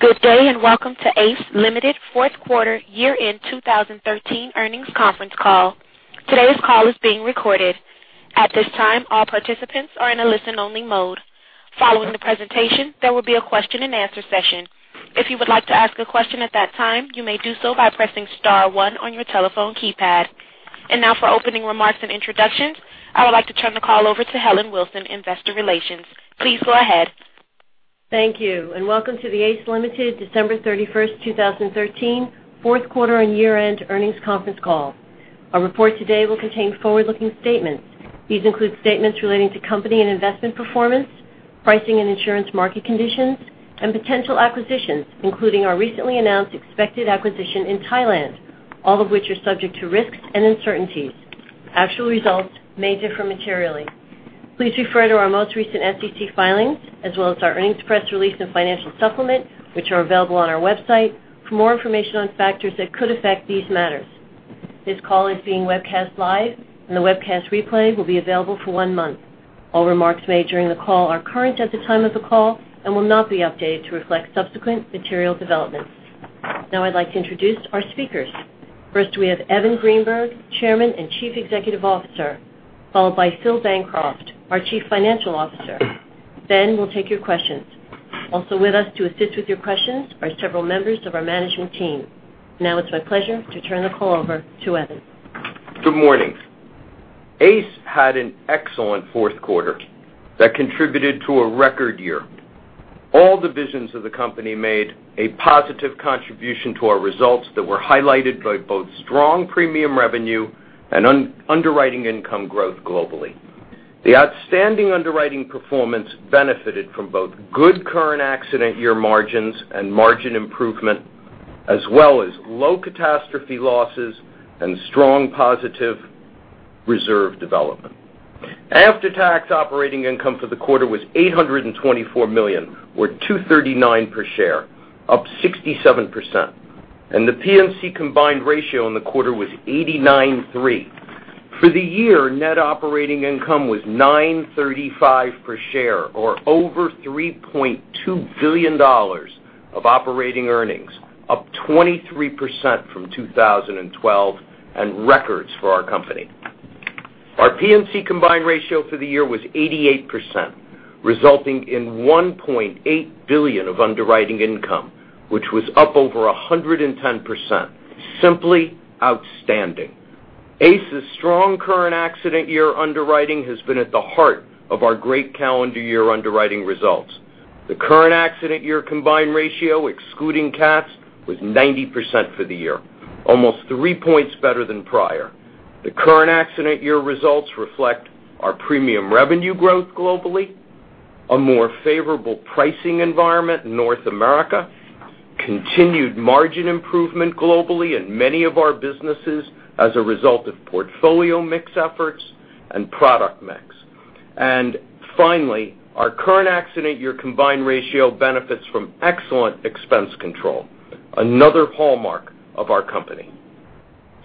Good day, and welcome to ACE Limited Fourth Quarter Year End 2013 Earnings Conference Call. Today's call is being recorded. At this time, all participants are in a listen-only mode. Following the presentation, there will be a question and answer session. If you would like to ask a question at that time, you may do so by pressing star one on your telephone keypad. Now for opening remarks and introductions, I would like to turn the call over to Helen Wilson, Investor Relations. Please go ahead. Thank you, welcome to the ACE Limited December 31st, 2013 fourth quarter and year-end earnings conference call. Our report today will contain forward-looking statements. These include statements relating to company and investment performance, pricing and insurance market conditions, and potential acquisitions, including our recently announced expected acquisition in Thailand, all of which are subject to risks and uncertainties. Actual results may differ materially. Please refer to our most recent SEC filings as well as our earnings press release and financial supplement, which are available on our website for more information on factors that could affect these matters. This call is being webcast live, the webcast replay will be available for one month. All remarks made during the call are current at the time of the call and will not be updated to reflect subsequent material developments. Now I'd like to introduce our speakers. First, we have Evan Greenberg, Chairman and Chief Executive Officer, followed by Philip Bancroft, our Chief Financial Officer. We'll take your questions. Also with us to assist with your questions are several members of our management team. Now it's my pleasure to turn the call over to Evan. Good morning. ACE had an excellent fourth quarter that contributed to a record year. All divisions of the company made a positive contribution to our results that were highlighted by both strong premium revenue and underwriting income growth globally. The outstanding underwriting performance benefited from both good current accident year margins and margin improvement, as well as low catastrophe losses and strong positive reserve development. After-tax operating income for the quarter was $824 million, or $2.39 per share, up 67%. The P&C combined ratio in the quarter was 89.3. For the year, net operating income was $9.35 per share, or over $3.2 billion of operating earnings, up 23% from 2012, records for our company. Our P&C combined ratio for the year was 88%, resulting in $1.8 billion of underwriting income, which was up over 110%, simply outstanding. ACE's strong current accident year underwriting has been at the heart of our great calendar year underwriting results. The current accident year combined ratio, excluding CATs, was 90% for the year, almost three points better than prior. The current accident year results reflect our premium revenue growth globally, a more favorable pricing environment in North America, continued margin improvement globally in many of our businesses as a result of portfolio mix efforts and product mix. Finally, our current accident year combined ratio benefits from excellent expense control, another hallmark of our company.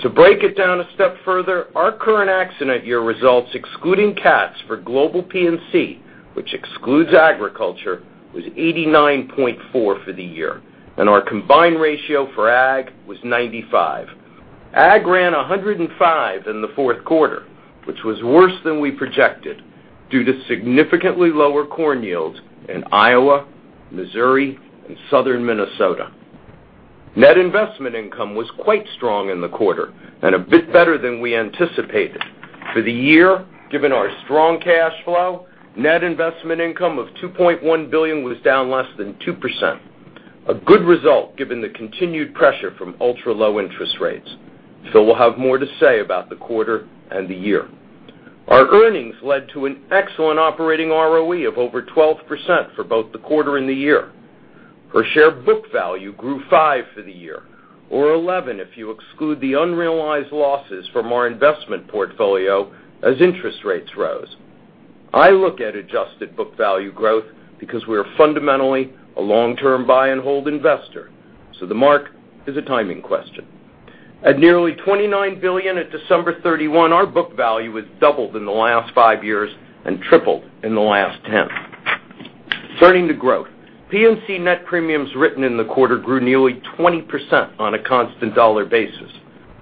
To break it down a step further, our current accident year results, excluding CATs for global P&C, which excludes agriculture, was 89.4 for the year, and our combined ratio for ag was 95. Ag ran 105 in the fourth quarter, which was worse than we projected due to significantly lower corn yields in Iowa, Missouri, and Southern Minnesota. Net investment income was quite strong in the quarter and a bit better than we anticipated. For the year, given our strong cash flow, net investment income of $2.1 billion was down less than 2%, a good result given the continued pressure from ultra-low interest rates. Phil will have more to say about the quarter and the year. Our earnings led to an excellent operating ROE of over 12% for both the quarter and the year. Per share book value grew five for the year, or 11 if you exclude the unrealized losses from our investment portfolio as interest rates rose. I look at adjusted book value growth because we are fundamentally a long-term buy and hold investor, so the mark is a timing question. At nearly $29 billion at December 31, our book value has doubled in the last five years and tripled in the last 10. Turning to growth. P&C net premiums written in the quarter grew nearly 20% on a constant dollar basis,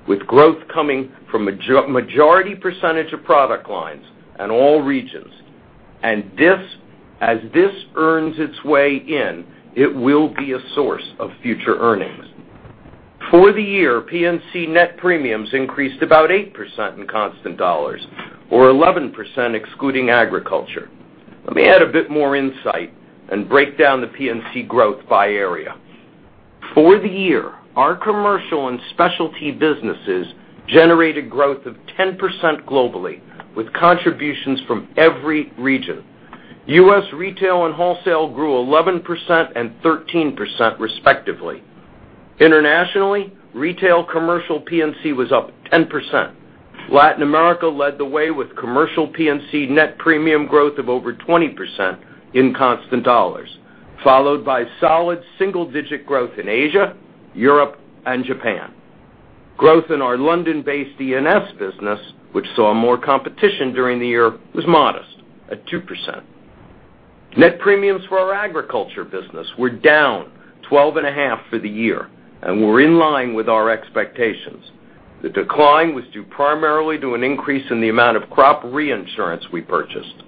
with growth coming from a majority percentage of product lines and all regions. As this earns its way in, it will be a source of future earnings. For the year, P&C net premiums increased about 8% in constant dollars or 11% excluding agriculture. Let me add a bit more insight and break down the P&C growth by area. For the year, our commercial and specialty businesses generated growth of 10% globally, with contributions from every region. U.S. retail and wholesale grew 11% and 13% respectively. Internationally, retail commercial P&C was up 10%. Latin America led the way with commercial P&C net premium growth of over 20% in constant dollars, followed by solid single-digit growth in Asia, Europe, and Japan. Growth in our London-based D&O business, which saw more competition during the year, was modest at 2%. Net premiums for our agriculture business were down 12.5 for the year and were in line with our expectations. The decline was due primarily to an increase in the amount of crop reinsurance we purchased.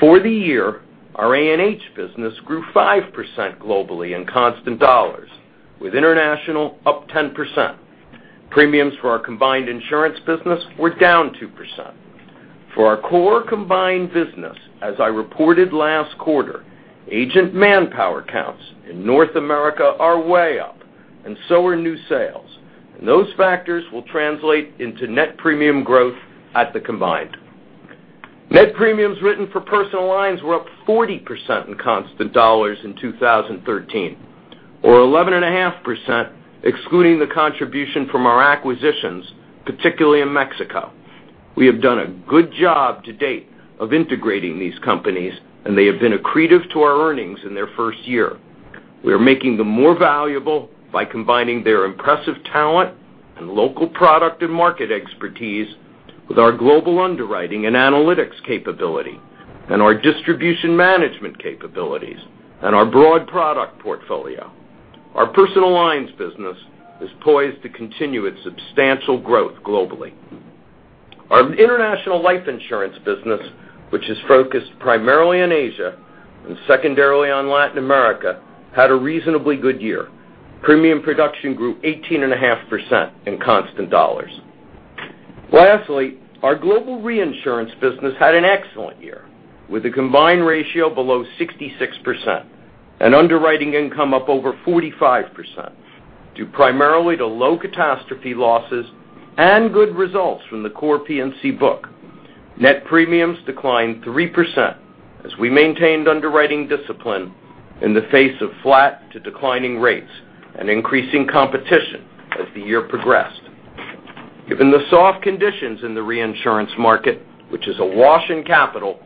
For the year, our A&H business grew 5% globally in constant dollars, with international up 10%. Premiums for our combined insurance business were down 2%. For our core combined business, as I reported last quarter, agent manpower counts in North America are way up, and so are new sales. Those factors will translate into net premium growth at the combined. Net premiums written for personal lines were up 40% in constant dollars in 2013 or 11.5% excluding the contribution from our acquisitions, particularly in Mexico. We have done a good job to date of integrating these companies, and they have been accretive to our earnings in their first year. We are making them more valuable by combining their impressive talent and local product and market expertise with our global underwriting and analytics capability and our distribution management capabilities and our broad product portfolio. Our personal lines business is poised to continue its substantial growth globally. Our international life insurance business, which is focused primarily on Asia and secondarily on Latin America, had a reasonably good year. Premium production grew 18.5% in constant dollars. Our global reinsurance business had an excellent year with a combined ratio below 66% and underwriting income up over 45% due primarily to low catastrophe losses and good results from the core P&C book. Net premiums declined 3% as we maintained underwriting discipline in the face of flat to declining rates and increasing competition as the year progressed. Given the soft conditions in the reinsurance market, which is awash in capital,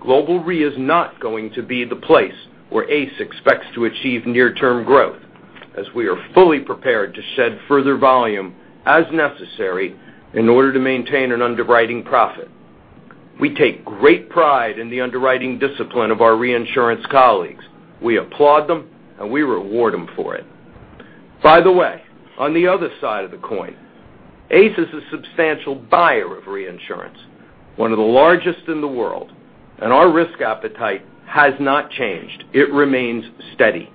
Global Re is not going to be the place where ACE expects to achieve near-term growth, as we are fully prepared to shed further volume as necessary in order to maintain an underwriting profit. We take great pride in the underwriting discipline of our reinsurance colleagues. We applaud them, and we reward them for it. On the other side of the coin, ACE is a substantial buyer of reinsurance, one of the largest in the world, and our risk appetite has not changed. It remains steady.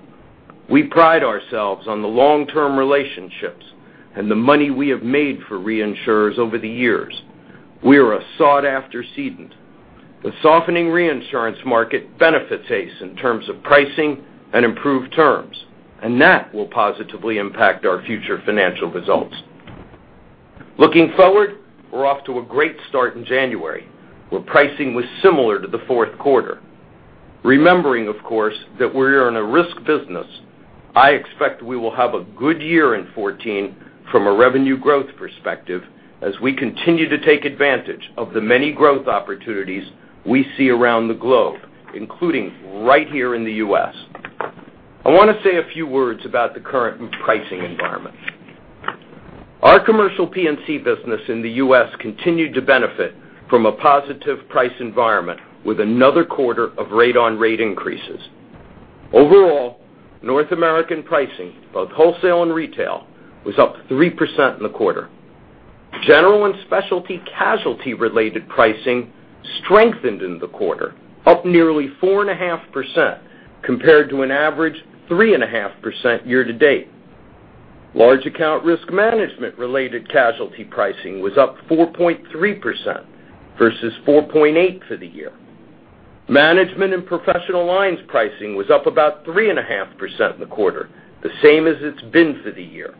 We pride ourselves on the long-term relationships and the money we have made for reinsurers over the years. We are a sought-after cedent. The softening reinsurance market benefits ACE in terms of pricing and improved terms, and that will positively impact our future financial results. Looking forward, we are off to a great start in January, where pricing was similar to the fourth quarter. Remembering, of course, that we are in a risk business, I expect we will have a good year in 2014 from a revenue growth perspective as we continue to take advantage of the many growth opportunities we see around the globe, including right here in the U.S. I want to say a few words about the current pricing environment. Our commercial P&C business in the U.S. continued to benefit from a positive price environment with another quarter of rate on rate increases. Overall, North American pricing, both wholesale and retail, was up 3% in the quarter. General and specialty casualty related pricing strengthened in the quarter, up nearly 4.5% compared to an average 3.5% year to date. Large account risk management related casualty pricing was up 4.3% versus 4.8% for the year. Management and professional lines pricing was up about 3.5% in the quarter, the same as it has been for the year.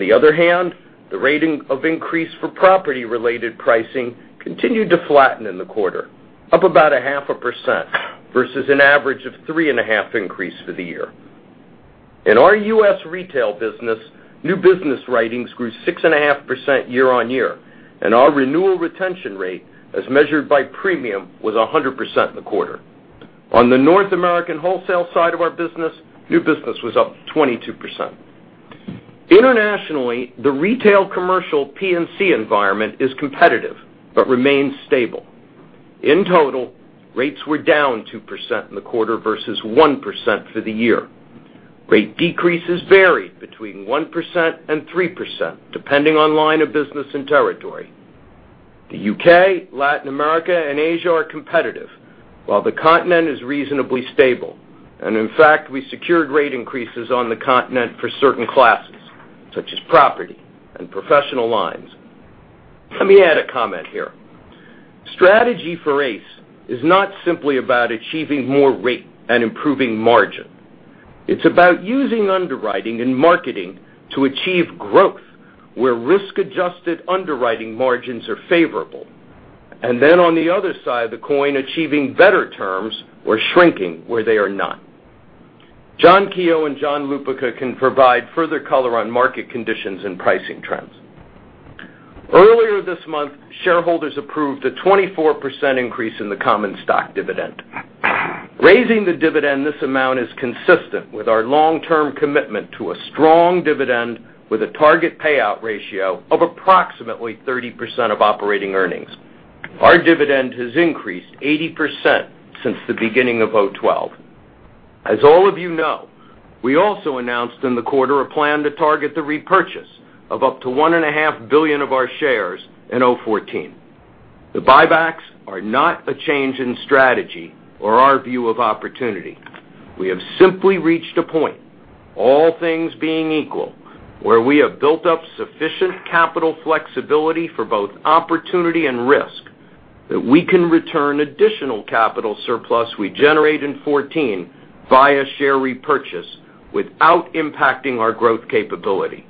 The rate of increase for property related pricing continued to flatten in the quarter, up about 0.5% versus an average of 3.5% increase for the year. In our U.S. retail business, new business writings grew 6.5% year-on-year, and our renewal retention rate, as measured by premium, was 100% in the quarter. On the North American wholesale side of our business, new business was up 22%. Internationally, the retail commercial P&C environment is competitive but remains stable. In total, rates were down 2% in the quarter versus 1% for the year. Rate decreases varied between 1% and 3%, depending on line of business and territory. The U.K., Latin America, and Asia are competitive, while the continent is reasonably stable. In fact, we secured rate increases on the continent for certain classes such as property and professional lines. Let me add a comment here. Strategy for ACE is not simply about achieving more rate and improving margin. It's about using underwriting and marketing to achieve growth where risk-adjusted underwriting margins are favorable. On the other side of the coin, achieving better terms or shrinking where they are not. John Keogh and John Lupica can provide further color on market conditions and pricing trends. Earlier this month, shareholders approved a 24% increase in the common stock dividend. Raising the dividend this amount is consistent with our long-term commitment to a strong dividend, with a target payout ratio of approximately 30% of operating earnings. Our dividend has increased 80% since the beginning of 2012. As all of you know, we also announced in the quarter a plan to target the repurchase of up to $1.5 billion of our shares in 2014. The buybacks are not a change in strategy or our view of opportunity. We have simply reached a point, all things being equal, where we have built up sufficient capital flexibility for both opportunity and risk that we can return additional capital surplus we generate in 2014 via share repurchase without impacting our growth capability.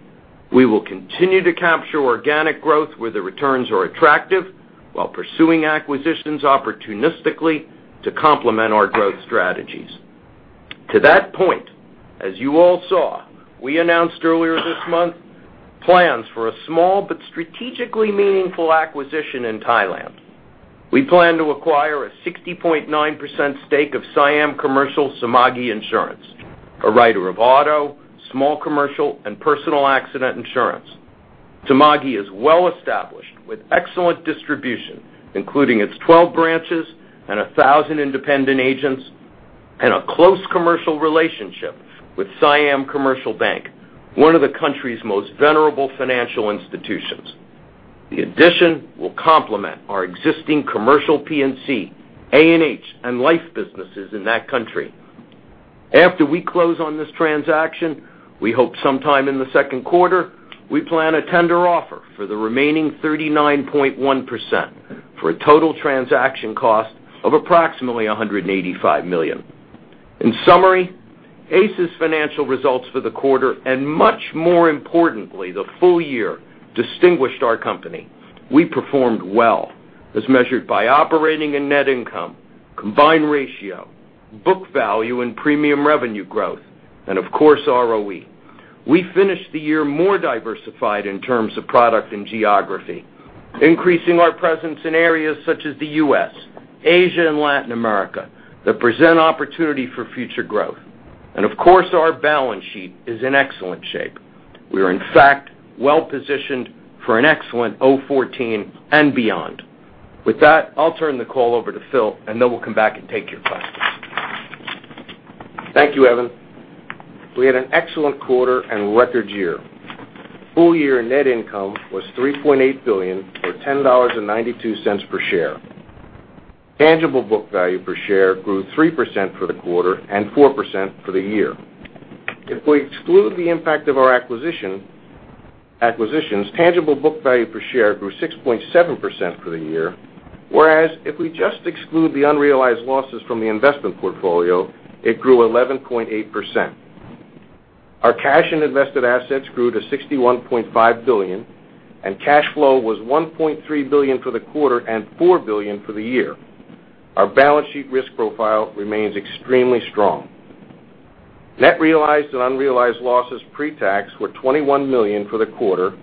We will continue to capture organic growth where the returns are attractive, while pursuing acquisitions opportunistically to complement our growth strategies. To that point, as you all saw, we announced earlier this month plans for a small but strategically meaningful acquisition in Thailand. We plan to acquire a 60.9% stake of The Siam Commercial Samaggi Insurance PCL, a writer of auto, small commercial, and personal accident insurance. Samaggi is well established with excellent distribution, including its 12 branches and 1,000 independent agents, and a close commercial relationship with Siam Commercial Bank, one of the country's most venerable financial institutions. The addition will complement our existing commercial P&C, A&H, and life businesses in that country. After we close on this transaction, we hope sometime in the second quarter, we plan a tender offer for the remaining 39.1%, for a total transaction cost of approximately $185 million. In summary, ACE's financial results for the quarter, and much more importantly, the full year, distinguished our company. We performed well, as measured by operating and net income, combined ratio, book value, and premium revenue growth, and of course, ROE. We finished the year more diversified in terms of product and geography, increasing our presence in areas such as the U.S., Asia, and Latin America, that present opportunity for future growth. Of course, our balance sheet is in excellent shape. We are, in fact, well-positioned for an excellent 2014 and beyond. With that, I'll turn the call over to Phil, then we'll come back and take your questions. Thank you, Evan. We had an excellent quarter and record year. Full-year net income was $3.8 billion, or $10.92 per share. Tangible book value per share grew 3% for the quarter and 4% for the year. If we exclude the impact of our acquisitions, tangible book value per share grew 6.7% for the year, whereas if we just exclude the unrealized losses from the investment portfolio, it grew 11.8%. Our cash and invested assets grew to $61.5 billion, and cash flow was $1.3 billion for the quarter and $4 billion for the year. Our balance sheet risk profile remains extremely strong. Net realized and unrealized losses pre-tax were $21 million for the quarter,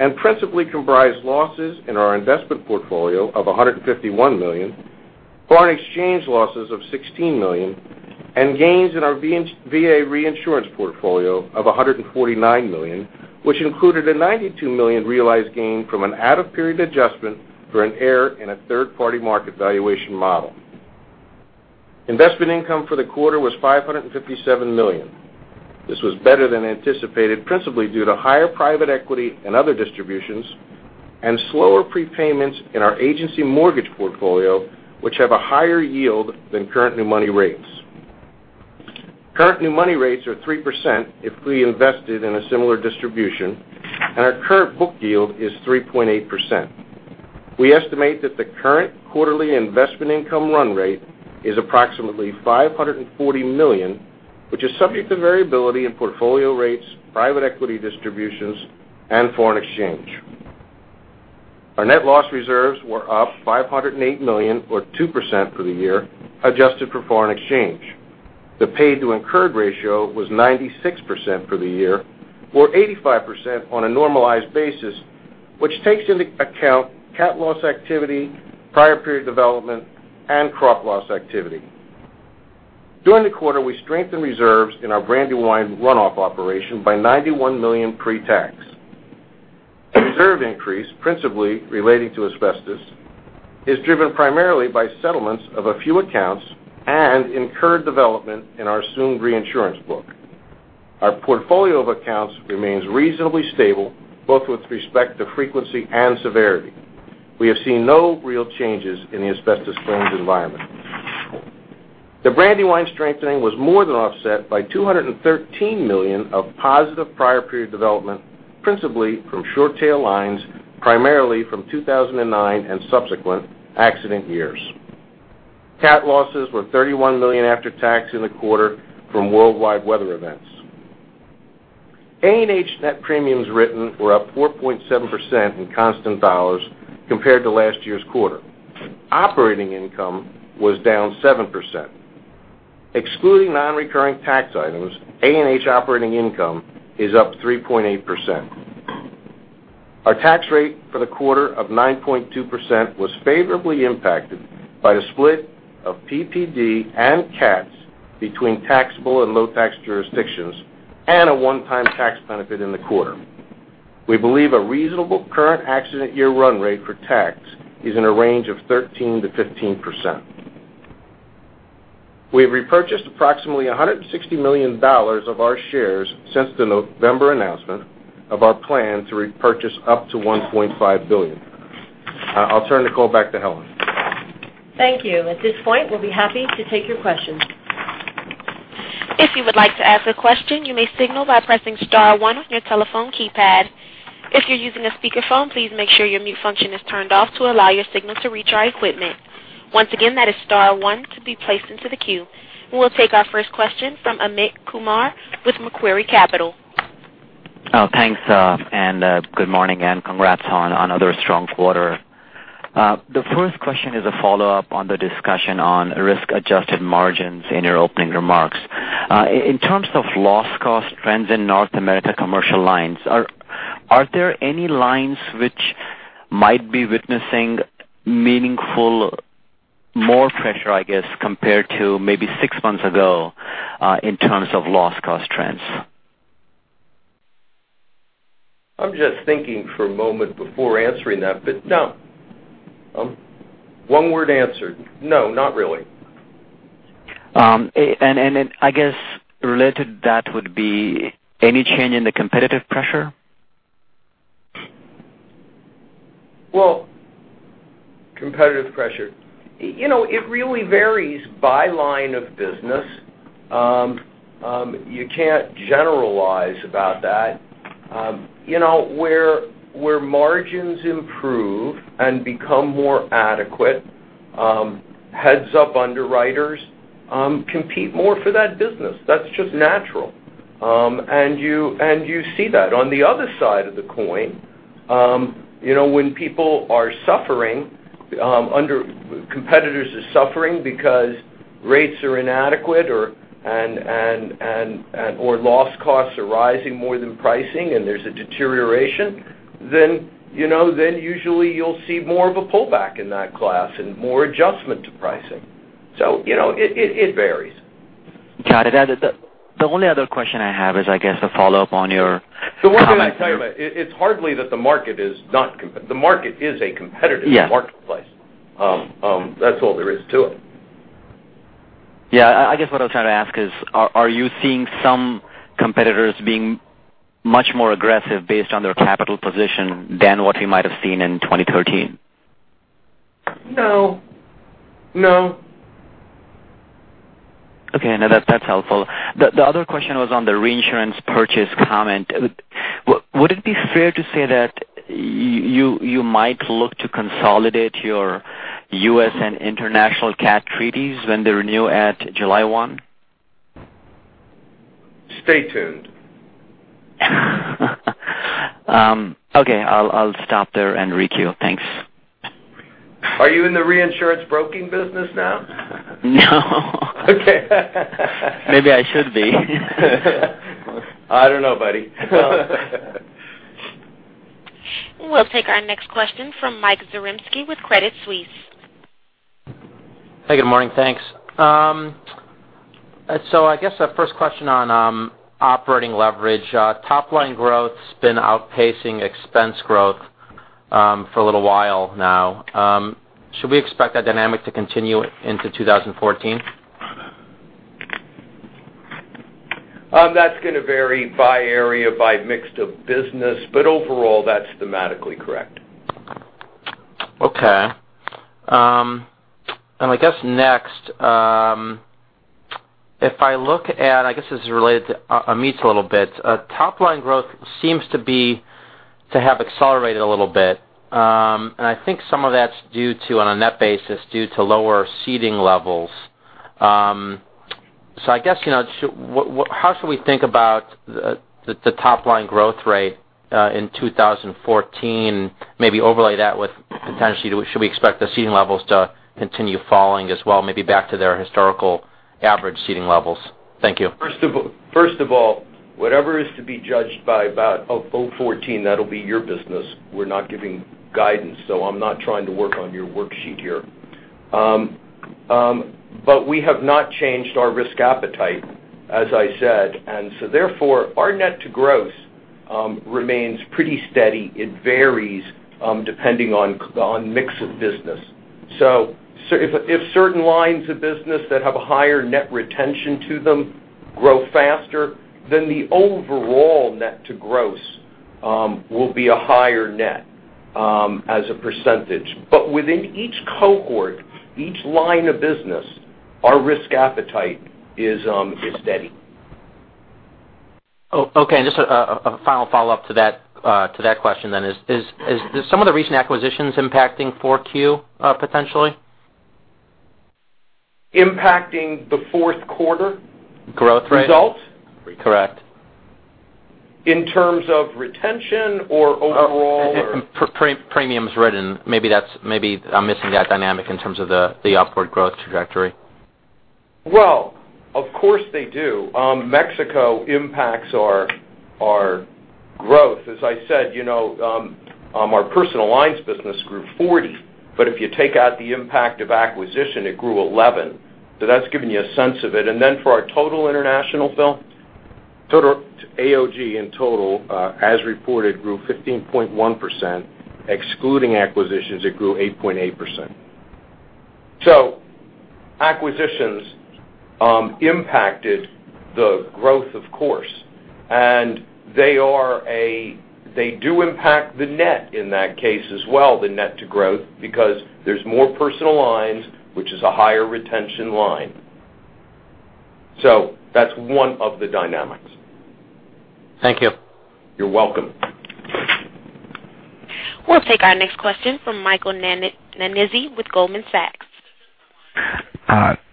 and principally comprised losses in our investment portfolio of $151 million, foreign exchange losses of $16 million, and gains in our VA reinsurance portfolio of $149 million, which included a $92 million realized gain from an out-of-period adjustment for an error in a third-party market valuation model. Investment income for the quarter was $557 million. This was better than anticipated, principally due to higher private equity and other distributions, and slower prepayments in our agency mortgage portfolio, which have a higher yield than current new money rates. Current new money rates are 3% if we invested in a similar distribution, and our current book yield is 3.8%. We estimate that the current quarterly investment income run rate is approximately $540 million, which is subject to variability in portfolio rates, private equity distributions, and foreign exchange. Our net loss reserves were up $508 million or 2% for the year, adjusted for foreign exchange. The paid to incurred ratio was 96% for the year, or 85% on a normalized basis, which takes into account cat loss activity, prior period development, and crop loss activity. During the quarter, we strengthened reserves in our Brandywine runoff operation by $91 million pre-tax. The reserve increase, principally relating to asbestos, is driven primarily by settlements of a few accounts and incurred development in our assumed reinsurance book. Our portfolio of accounts remains reasonably stable, both with respect to frequency and severity. We have seen no real changes in the asbestos claims environment. The Brandywine strengthening was more than offset by $213 million of positive prior period development, principally from short tail lines, primarily from 2009 and subsequent accident years. Cat losses were $31 million after tax in the quarter from worldwide weather events. A&H net premiums written were up 4.7% in constant dollars compared to last year's quarter. Operating income was down 7%. Excluding non-recurring tax items, A&H operating income is up 3.8%. Our tax rate for the quarter of 9.2% was favorably impacted by the split of PPD and CATs between taxable and low tax jurisdictions and a one-time tax benefit in the quarter. We believe a reasonable current accident year run rate for tax is in a range of 13%-15%. We have repurchased approximately $160 million of our shares since the November announcement of our plan to repurchase up to $1.5 billion. I'll turn the call back to Helen. Thank you. At this point, we'll be happy to take your questions. If you would like to ask a question, you may signal by pressing star one on your telephone keypad. If you're using a speakerphone, please make sure your mute function is turned off to allow your signal to reach our equipment. Once again, that is star one to be placed into the queue. We'll take our first question from Amit Kumar with Macquarie Capital. Thanks. Good morning, and congrats on another strong quarter. The first question is a follow-up on the discussion on risk-adjusted margins in your opening remarks. In terms of loss cost trends in North America Commercial Lines, are there any lines which might be witnessing meaningful more pressure, I guess, compared to maybe six months ago, in terms of loss cost trends? I'm just thinking for a moment before answering that, but no. One word answer, no, not really. I guess related to that would be any change in the competitive pressure? Well, competitive pressure. It really varies by line of business. You can't generalize about that. Where margins improve and become more adequate, heads up underwriters compete more for that business. That's just natural. You see that. On the other side of the coin, when people are suffering, under competitors are suffering because rates are inadequate or loss costs are rising more than pricing and there's a deterioration, then usually you'll see more of a pullback in that class and more adjustment to pricing. It varies. Got it. The only other question I have is, I guess a follow-up on your comment. The one thing I tell you, it's hardly that the market is not competitive. The market is a competitive marketplace. Yes. That's all there is to it. Yeah. I guess what I was trying to ask is, are you seeing some competitors being much more aggressive based on their capital position than what we might have seen in 2013? No. Okay. No, that's helpful. The other question was on the reinsurance purchase comment. Would it be fair to say that you might look to consolidate your U.S. and international CAT treaties when they renew at July 1? Stay tuned. Okay. I'll stop there and re-queue. Thanks. Are you in the reinsurance broking business now? No. Okay. Maybe I should be. I don't know, buddy. We'll take our next question from Mike Zaremski with Credit Suisse. Hey, good morning. Thanks. I guess the first question on operating leverage, top line growth's been outpacing expense growth for a little while now. Should we expect that dynamic to continue into 2014? That's going to vary by area, by mix of business, overall, that's thematically correct. Okay. I guess next, if I look at, I guess this is related to Amit's a little bit. Top line growth seems to have accelerated a little bit. I think some of that's due to, on a net basis, due to lower ceding levels. I guess, how should we think about the top line growth rate, in 2014, maybe overlay that with potentially, should we expect the ceding levels to continue falling as well, maybe back to their historical average ceding levels? Thank you. First of all, whatever is to be judged by about 2014, that'll be your business. We're not giving guidance, I'm not trying to work on your worksheet here. We have not changed our risk appetite, as I said, therefore, our net to gross remains pretty steady. It varies depending on mix of business. If certain lines of business that have a higher net retention to them grow faster, then the overall net to gross will be a higher net as a percentage. Within each cohort, each line of business, our risk appetite is steady. Okay. Just a final follow-up to that question then is some of the recent acquisitions impacting 4Q potentially? Impacting the fourth quarter. Growth rate. results? Correct. In terms of retention or overall? Premiums written. Maybe I'm missing that dynamic in terms of the upward growth trajectory. Of course they do. Mexico impacts our growth. As I said, our personal lines business grew 40%, but if you take out the impact of acquisition, it grew 11%. For our total international, Phil? Total AOG in total, as reported, grew 15.1%. Excluding acquisitions, it grew 8.8%. Acquisitions impacted the growth, of course, and they do impact the net in that case as well, the net to growth, because there's more personal lines, which is a higher retention line. That's one of the dynamics. Thank you. You're welcome. We'll take our next question from Michael Nannizzi with Goldman Sachs.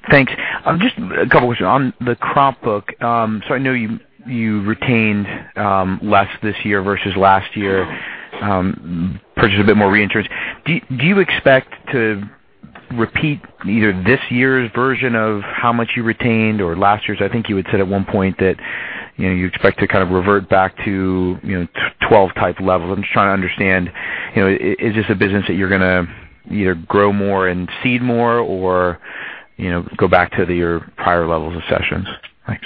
Thanks. Just a couple questions. On the crop book, so I know you retained less this year versus last year, purchased a bit more reinsurance. Do you expect to repeat either this year's version of how much you retained or last year's? I think you had said at one point that you expect to kind of revert back to 2012 type levels. I'm just trying to understand, is this a business that you're going to either grow more and cede more or go back to your prior levels of sessions? Thanks.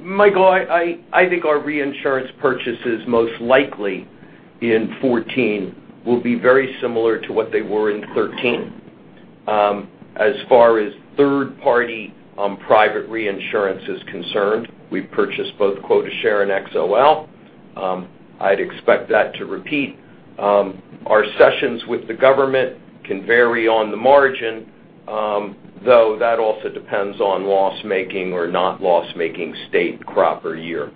Michael, I think our reinsurance purchases most likely in 2014 will be very similar to what they were in 2013. As far as third party private reinsurance is concerned, we purchased both quota share and XOL. I'd expect that to repeat. Our sessions with the government can vary on the margin, though that also depends on loss-making or not loss-making state crop per year.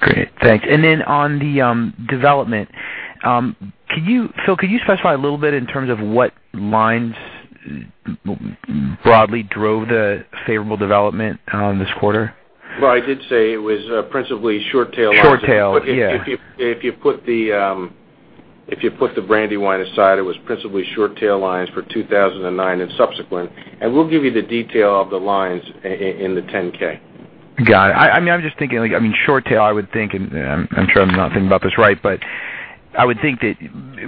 Great, thanks. Then on the development, Phil, could you specify a little bit in terms of what lines broadly drove the favorable development this quarter? Well, I did say it was principally short tail lines. Short tail, yeah. If you put the Brandywine aside, it was principally short tail lines for 2009 and subsequent. We'll give you the detail of the lines in the 10-K. Got it. I'm just thinking, short tail, I would think, and I'm sure I'm not thinking about this right, but I would think that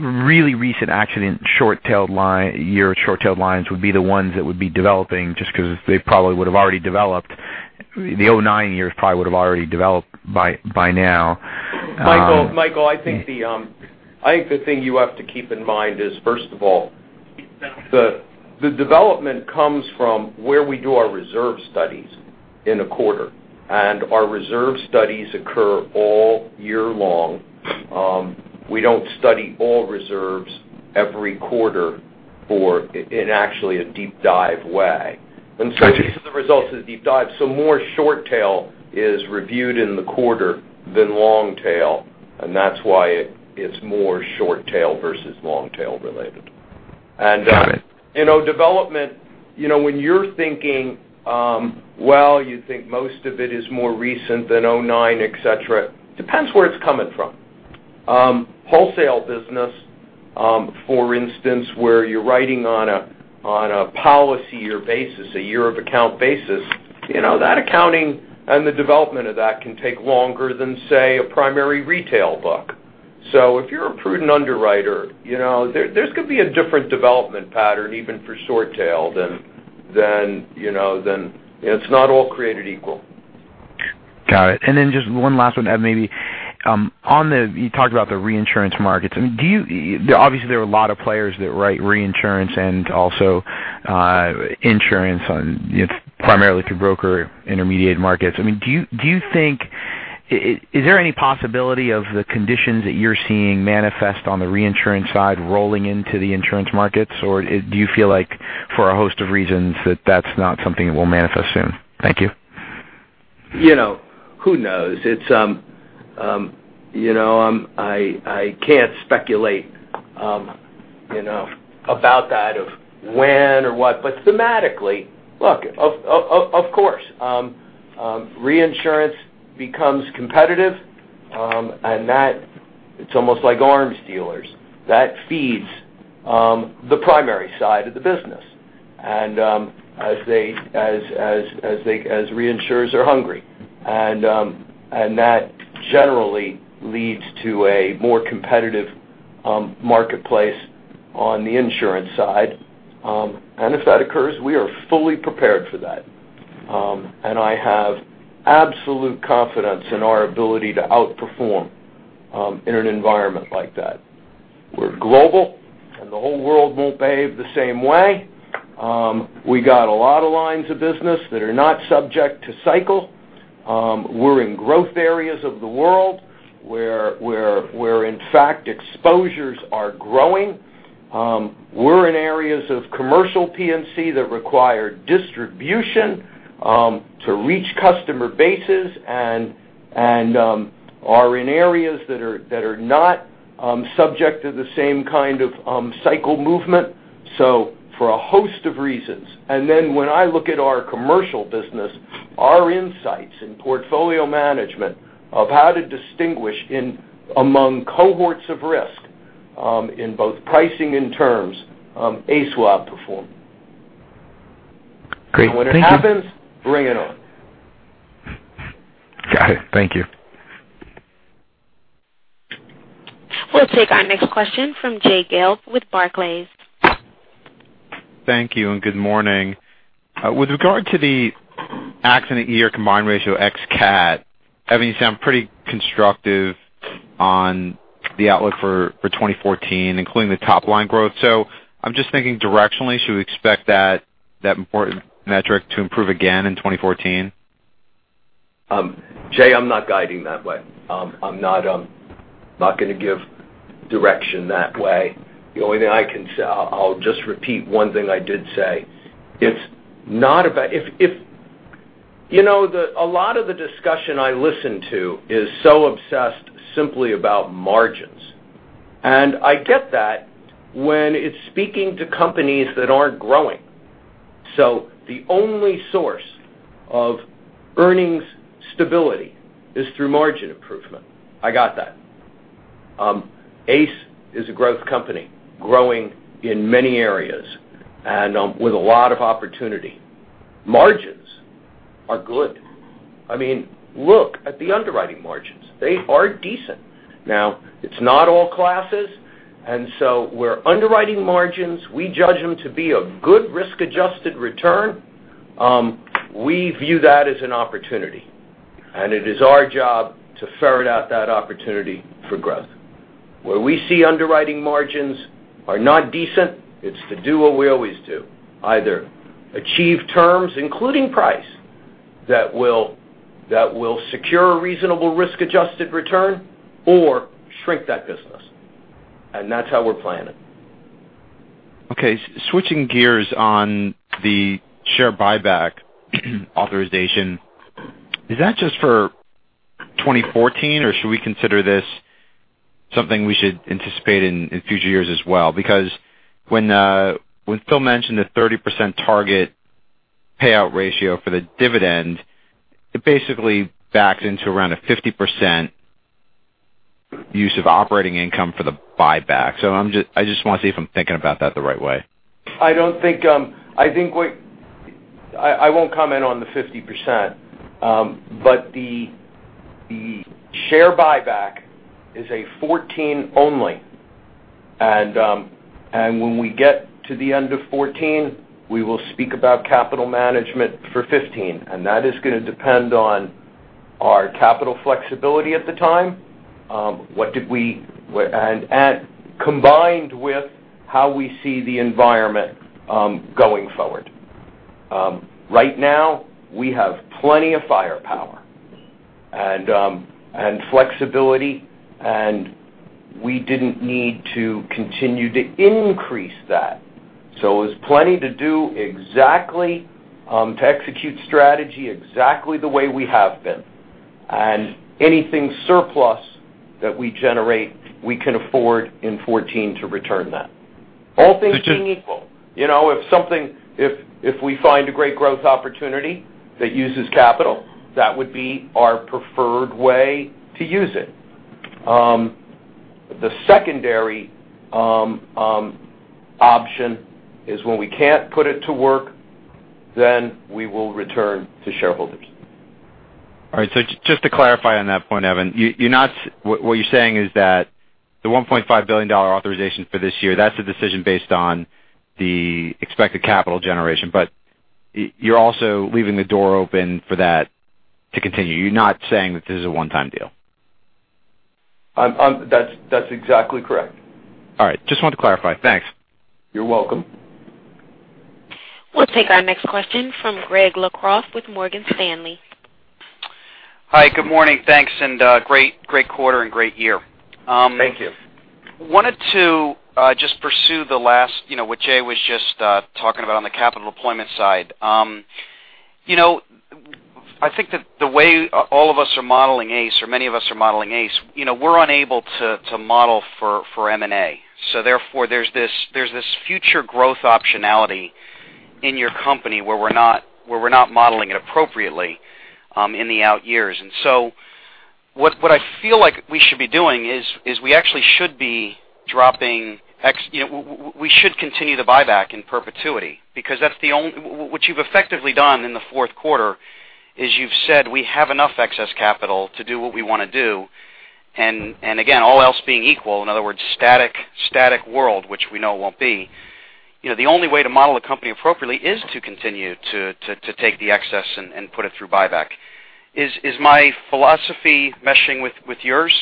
really recent accident short tail line, year short tail lines would be the ones that would be developing just because they probably would have already developed. The 2009 years probably would have already developed by now. Michael, I think the thing you have to keep in mind is, first of all, the development comes from where we do our reserve studies in a quarter, and our reserve studies occur all year long. We don't study all reserves every quarter in actually a deep dive way. These are the results of the deep dive. More short tail is reviewed in the quarter than long tail, and that's why it's more short tail versus long tail related. Got it. Development, when you're thinking, well, you think most of it is more recent than 2009, et cetera. Depends where it's coming from. Wholesale business, for instance, where you're writing on a policy or basis, a year of account basis, that accounting and the development of that can take longer than, say, a primary retail book. If you're a prudent underwriter, there could be a different development pattern even for short tail, then it's not all created equal. Got it. Then just one last one, maybe. You talked about the reinsurance markets. Obviously, there are a lot of players that write reinsurance and also insurance primarily through broker intermediate markets. Is there any possibility of the conditions that you're seeing manifest on the reinsurance side rolling into the insurance markets, or do you feel like for a host of reasons that that's not something that will manifest soon? Thank you. Who knows? I can't speculate about that, of when or what. Thematically, look, of course, reinsurance becomes competitive, and it's almost like arms dealers. That feeds the primary side of the business. As reinsurers are hungry, that generally leads to a more competitive marketplace on the insurance side. If that occurs, we are fully prepared for that. I have absolute confidence in our ability to outperform in an environment like that. We're global, the whole world won't behave the same way. We got a lot of lines of business that are not subject to cycle. We're in growth areas of the world where, in fact, exposures are growing. We're in areas of commercial P&C that require distribution to reach customer bases and are in areas that are not subject to the same kind of cycle movement. For a host of reasons, then when I look at our commercial business, our insights and portfolio management of how to distinguish among cohorts of risk, in both pricing and terms, ACE will outperform. Great. Thank you. When it happens, bring it on. Got it. Thank you. We'll take our next question from Jay Gelb with Barclays. Thank you, good morning. With regard to the accident year combined ratio ex-CAT, Evan, you sound pretty constructive on the outlook for 2014, including the top line growth. I'm just thinking directionally, should we expect that important metric to improve again in 2014? Jay, I'm not guiding that way. I'm not going to give direction that way. The only thing I can say, I'll just repeat one thing I did say. A lot of the discussion I listen to is so obsessed simply about margins, and I get that when it's speaking to companies that aren't growing. The only source of earnings stability is through margin improvement. I got that. ACE is a growth company, growing in many areas and with a lot of opportunity. Margins are good. Look at the underwriting margins. They are decent. Now, it's not all classes, and so where underwriting margins, we judge them to be a good risk-adjusted return, we view that as an opportunity, and it is our job to ferret out that opportunity for growth. Where we see underwriting margins are not decent, it's to do what we always do, either achieve terms, including price, that will secure a reasonable risk-adjusted return or shrink that business. That's how we're planning. Okay, switching gears on the share buyback authorization. Is that just for 2014, or should we consider this something we should anticipate in future years as well? When Phil mentioned the 30% target payout ratio for the dividend, it basically backs into around a 50% use of operating income for the buyback. I just want to see if I'm thinking about that the right way. I won't comment on the 50%, but the share buyback is a 2014 only. When we get to the end of 2014, we will speak about capital management for 2015, and that is going to depend on our capital flexibility at the time, and combined with how we see the environment going forward. Right now, we have plenty of firepower and flexibility, and we didn't need to continue to increase that. It was plenty to do exactly to execute strategy exactly the way we have been. Anything surplus that we generate, we can afford in 2014 to return that. All things being equal. If we find a great growth opportunity that uses capital, that would be our preferred way to use it. The secondary option is when we can't put it to work, we will return to shareholders. Just to clarify on that point, Evan. What you're saying is that the $1.5 billion authorization for this year, that's the decision based on the expected capital generation. You're also leaving the door open for that to continue. You're not saying that this is a one-time deal. That's exactly correct. All right. Just wanted to clarify. Thanks. You're welcome. We'll take our next question from Greg Locraft with Morgan Stanley. Hi, good morning. Thanks, great quarter and great year. Thank you. I wanted to just pursue the last, what Jay was just talking about on the capital deployment side. I think that the way all of us are modeling ACE or many of us are modeling ACE, we're unable to model for M&A. Therefore, there's this future growth optionality in your company where we're not modeling it appropriately in the out years. What I feel like we should be doing is we actually should continue the buyback in perpetuity. What you've effectively done in the fourth quarter is you've said, "We have enough excess capital to do what we want to do." Again, all else being equal, in other words, static world, which we know won't be, the only way to model a company appropriately is to continue to take the excess and put it through buyback. Is my philosophy meshing with yours?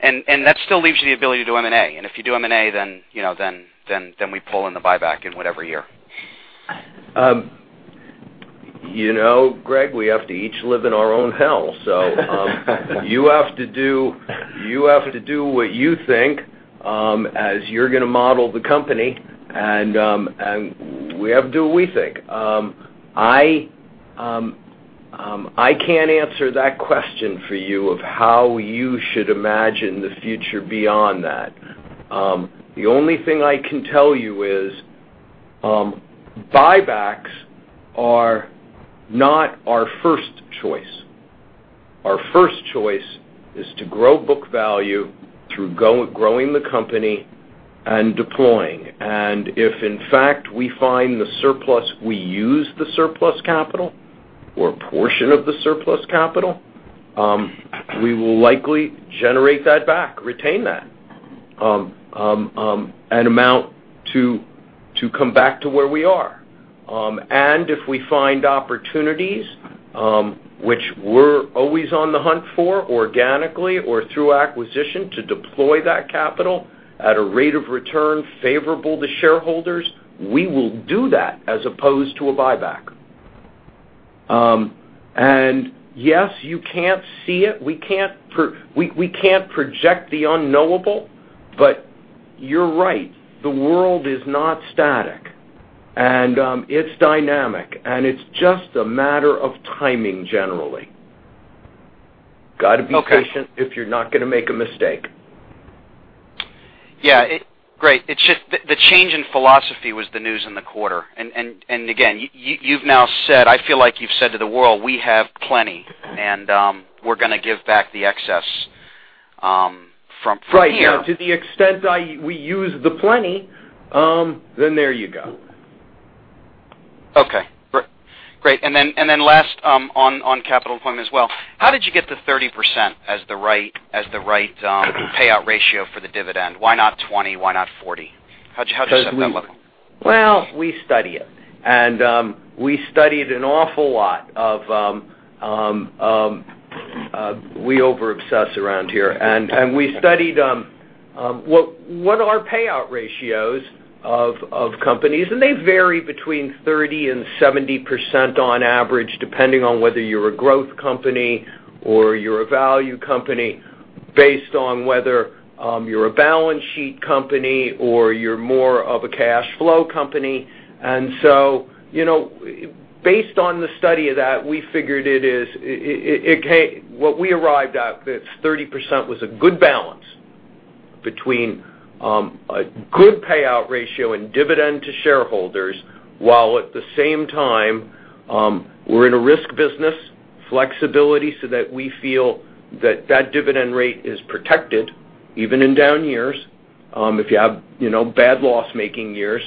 That still leaves you the ability to do M&A. If you do M&A, we pull in the buyback in whatever year. Greg, we have to each live in our own hell. You have to do what you think, as you're going to model the company, and we have to do what we think. I can't answer that question for you of how you should imagine the future beyond that. The only thing I can tell you is buybacks are not our first choice. Our first choice is to grow book value through growing the company and deploying. If, in fact, we find the surplus, we use the surplus capital or a portion of the surplus capital, we will likely generate that back, retain that, an amount to come back to where we are. If we find opportunities, which we're always on the hunt for, organically or through acquisition to deploy that capital at a rate of return favorable to shareholders, we will do that as opposed to a buyback. Yes, you can't see it. We can't project the unknowable. You're right, the world is not static, and it's dynamic, and it's just a matter of timing, generally. Okay. Got to be patient if you're not going to make a mistake. Yeah. Great. It's just the change in philosophy was the news in the quarter. Again, you've now said, I feel like you've said to the world, "We have plenty, and we're going to give back the excess from here. Right. To the extent we use the plenty, there you go. Okay. Great. Last on capital deployment as well, how did you get the 30% as the right payout ratio for the dividend? Why not 20? Why not 40? How'd you set that level? Well, we study it. We over-obsess around here. We studied what are payout ratios of companies, they vary between 30% and 70% on average, depending on whether you're a growth company or you're a value company, based on whether you're a balance sheet company or you're more of a cash flow company. Based on the study of that, what we arrived at that 30% was a good balance between a good payout ratio and dividend to shareholders, while at the same time we're in a risk business, flexibility so that we feel that that dividend rate is protected even in down years, if you have bad loss-making years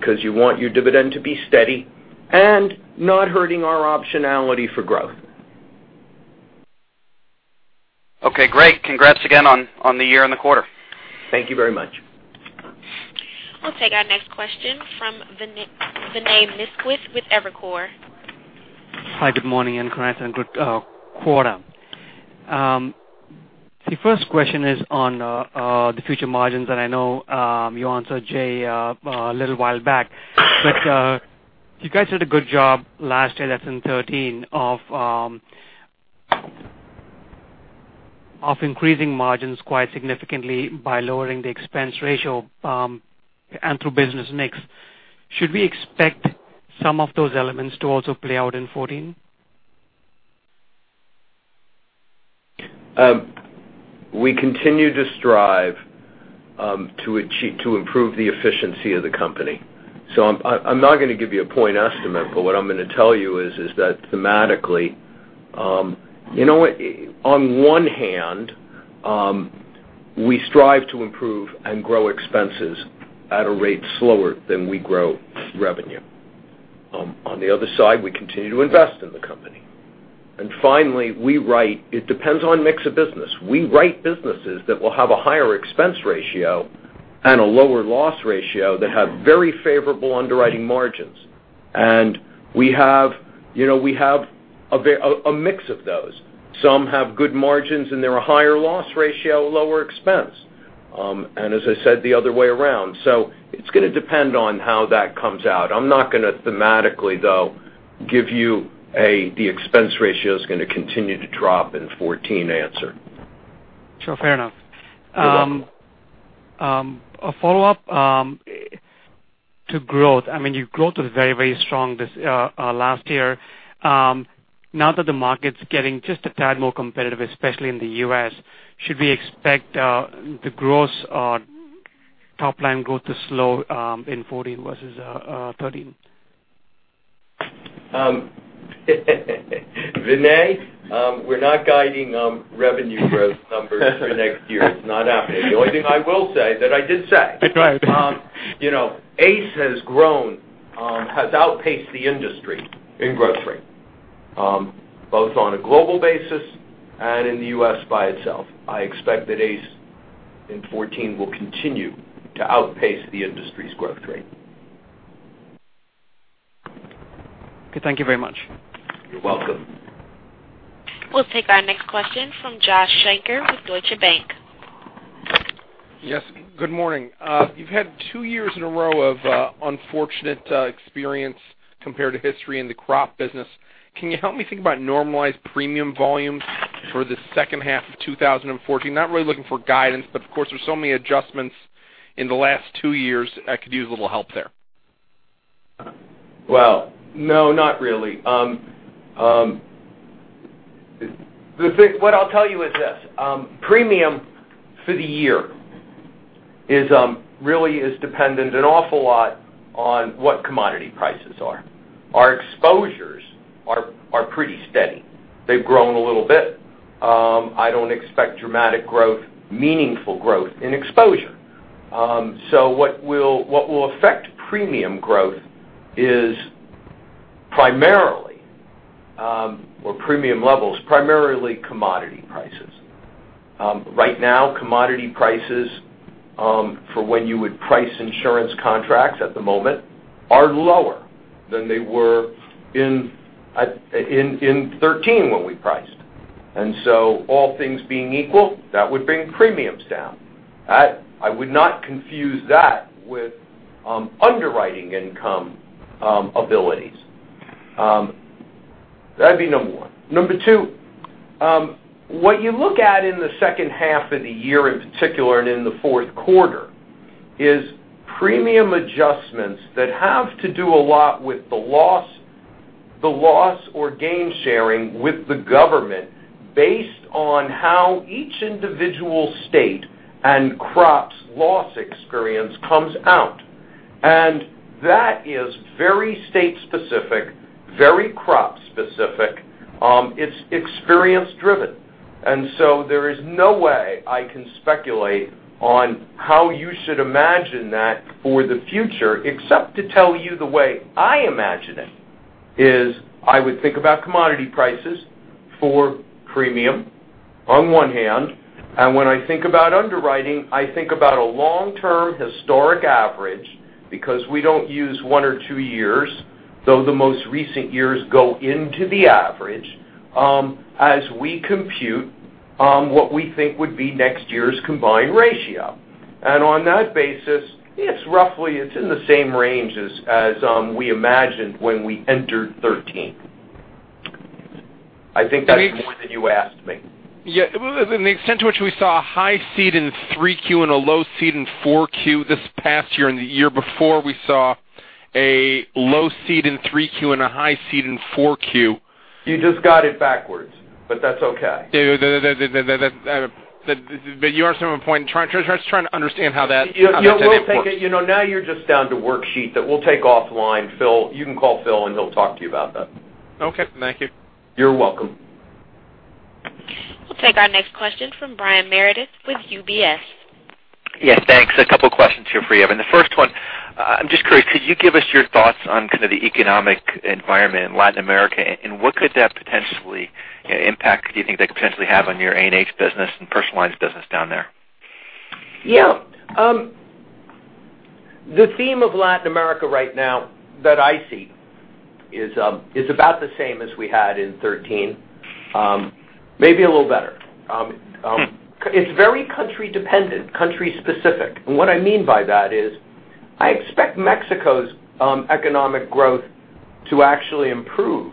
because you want your dividend to be steady and not hurting our optionality for growth. Okay, great. Congrats again on the year and the quarter. Thank you very much. We'll take our next question from Vinay Misquith with Evercore. Hi, good morning, Evan. Congrats on good quarter. The first question is on the future margins, and I know you answered Jay a little while back. You guys did a good job last year, that's in 2013, of increasing margins quite significantly by lowering the expense ratio and through business mix. Should we expect some of those elements to also play out in 2014? We continue to strive to improve the efficiency of the company. I'm not going to give you a point estimate, but what I'm going to tell you is that thematically, on one hand, we strive to improve and grow expenses at a rate slower than we grow revenue. On the other side, we continue to invest in the company. Finally, it depends on mix of business. We write businesses that will have a higher expense ratio and a lower loss ratio that have very favorable underwriting margins. We have a mix of those. Some have good margins, and they're a higher loss ratio, lower expense. As I said, the other way around. It's going to depend on how that comes out. I'm not going to thematically, though, give you the expense ratio is going to continue to drop in 2014 answer. Sure, fair enough. You're welcome. A follow-up to growth. Your growth was very strong this last year. Now that the market's getting just a tad more competitive, especially in the U.S., should we expect the top-line growth to slow in 2014 versus 2013? Vinay, we're not guiding revenue growth numbers for next year. It's not happening. The only thing I will say that I did say. Right ACE has outpaced the industry in growth rate both on a global basis and in the U.S. by itself. I expect that ACE in 2014 will continue to outpace the industry's growth rate. Okay. Thank you very much. You're welcome. We'll take our next question from Josh Shanker with Deutsche Bank. Yes, good morning. You've had two years in a row of unfortunate experience compared to history in the crop business. Can you help me think about normalized premium volumes for the second half of 2014? Not really looking for guidance, but of course, there's so many adjustments In the last two years, I could use a little help there. Well, no, not really. What I'll tell you is this. Premium for the year really is dependent an awful lot on what commodity prices are. Our exposures are pretty steady. They've grown a little bit. I don't expect dramatic growth, meaningful growth in exposure. What will affect premium growth is primarily or premium levels, primarily commodity prices. Right now, commodity prices, for when you would price insurance contracts at the moment, are lower than they were in 2013 when we priced. All things being equal, that would bring premiums down. I would not confuse that with underwriting income abilities. That'd be number 1. Number two, what you look at in the second half of the year in particular, in the fourth quarter, is premium adjustments that have to do a lot with the loss or gain sharing with the government based on how each individual state and crop's loss experience comes out. That is very state specific, very crop specific. It's experience driven. There is no way I can speculate on how you should imagine that for the future, except to tell you the way I imagine it, is I would think about commodity prices for premium on one hand, and when I think about underwriting, I think about a long-term historic average because we don't use one or two years, though the most recent years go into the average, as we compute what we think would be next year's combined ratio. On that basis, it's roughly in the same range as we imagined when we entered 2013. I think that's more than you asked me. Yeah. The extent to which we saw a high CED in Q3 and a low CED in Q4 this past year, and the year before we saw a low CED in Q3 and a high CED in Q4. You just got it backwards, that's okay. You understand my point. Just trying to understand how that works. You're just down to worksheet that we'll take offline. You can call Phil and he'll talk to you about that. Okay. Thank you. You're welcome. We'll take our next question from Brian Meredith with UBS. Yes, thanks. A couple questions here for you. The first one, I'm just curious, could you give us your thoughts on kind of the economic environment in Latin America, and what could that potentially impact do you think that could potentially have on your A&H business and personal accident insurance business down there? Yeah. The theme of Latin America right now that I see is about the same as we had in 2013. Maybe a little better. It's very country dependent, country specific. What I mean by that is I expect Mexico's economic growth to actually improve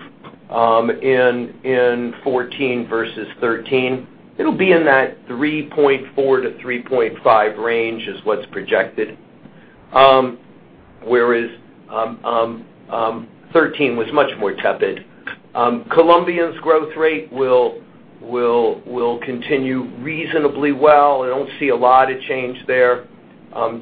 in 2014 versus 2013. It'll be in that 3.4-3.5 range is what's projected. Whereas 2013 was much more tepid. Colombia's growth rate will continue reasonably well. I don't see a lot of change there.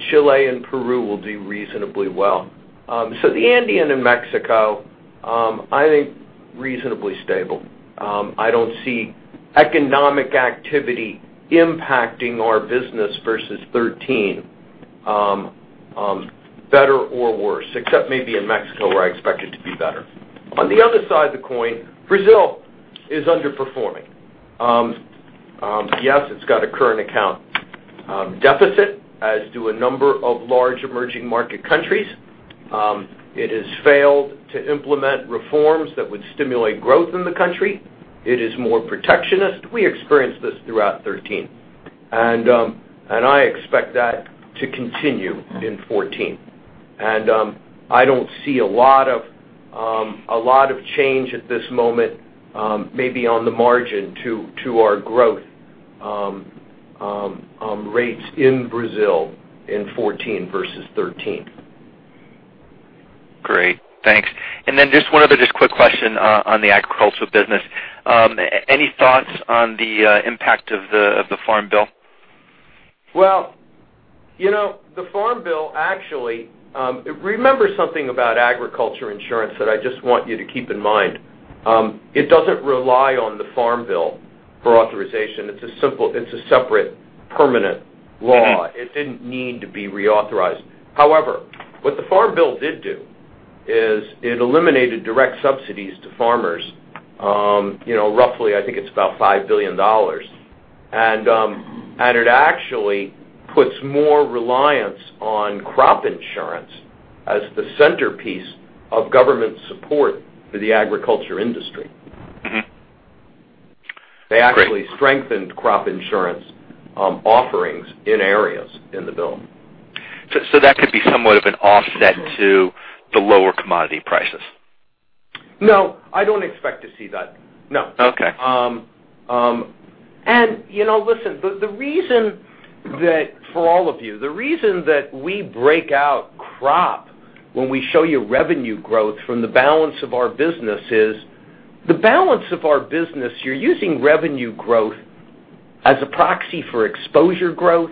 Chile and Peru will do reasonably well. The Andean and Mexico, I think reasonably stable. I don't see economic activity impacting our business versus 2013 better or worse, except maybe in Mexico where I expect it to be better. On the other side of the coin, Brazil is underperforming. Yes, it's got a current account deficit as do a number of large emerging market countries. It has failed to implement reforms that would stimulate growth in the country. It is more protectionist. We experienced this throughout 2013. I expect that to continue in 2014. I don't see a lot of change at this moment, maybe on the margin to our growth rates in Brazil in 2014 versus 2013. Great. Thanks. Then just one other just quick question on the agriculture business. Any thoughts on the impact of the Farm Bill? Well, the Farm Bill, actually, remember something about agriculture insurance that I just want you to keep in mind. It doesn't rely on the Farm Bill for authorization. It's a separate permanent law. It didn't need to be reauthorized. However, what the Farm Bill did do is it eliminated direct subsidies to farmers. Roughly, I think it's about $5 billion. It actually puts more reliance on crop insurance as the centerpiece of government support for the agriculture industry. Great. They actually strengthened crop insurance offerings in areas in the bill. That could be somewhat of an offset to the lower commodity prices? No, I don't expect to see that. No. Okay. Listen, for all of you, the reason that we break out crop when we show you revenue growth from the balance of our business is, the balance of our business, you're using revenue growth as a proxy for exposure growth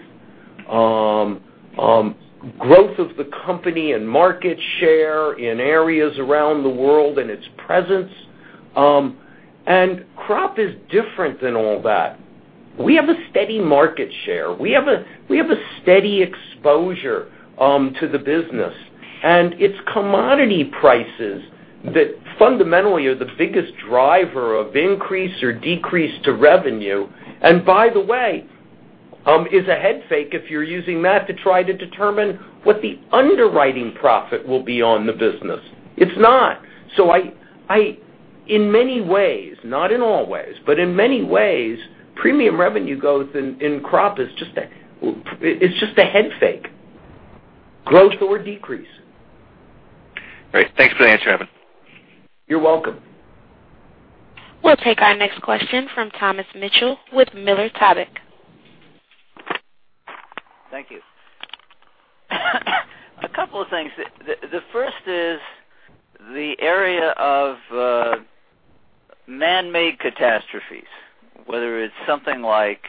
of the company and market share in areas around the world and its presence. Crop is different than all that. We have a steady market share. We have a steady exposure to the business, and it's commodity prices that fundamentally are the biggest driver of increase or decrease to revenue. By the way, is a head fake if you're using that to try to determine what the underwriting profit will be on the business. It's not. In many ways, not in all ways, but in many ways, premium revenue growth in crop is just a head fake. Growth or decrease. Great. Thanks for the answer, Evan. You're welcome. We'll take our next question from Thomas Mitchell with Miller Tabak. Thank you. A couple of things. The first is the area of manmade catastrophes, whether it's something like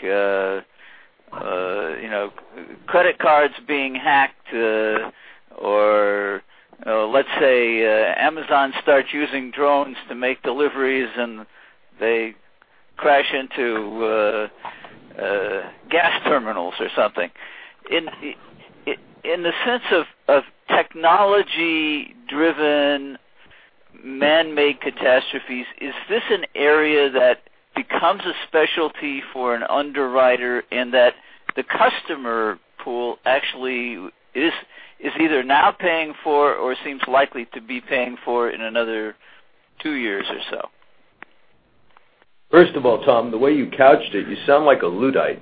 credit cards being hacked or, let's say Amazon starts using drones to make deliveries and they crash into gas terminals or something. In the sense of technology-driven, manmade catastrophes, is this an area that becomes a specialty for an underwriter and that the customer pool actually is either now paying for or seems likely to be paying for in another two years or so? First of all, Tom, the way you couched it, you sound like a Luddite.